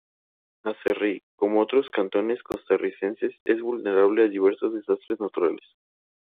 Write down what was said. Aserrí, como otros cantones costarricenses, es vulnerable a diversos desastres naturales.